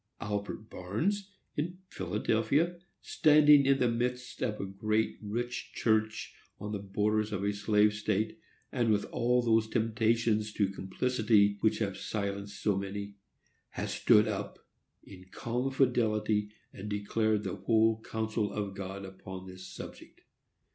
Albert Barnes, in Philadelphia, standing in the midst of a great, rich church, on the borders of a slave state, and with all those temptations to complicity which have silenced so many, has stood up, in calm fidelity, and declared the whole counsel of God upon this subject.